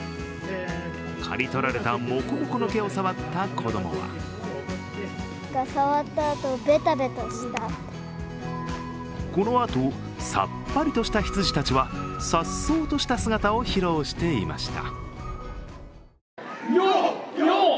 刈り取られたモコモコの毛を触った子供はこのあと、さっぱりとした羊たちはさっそうとした姿を披露していました。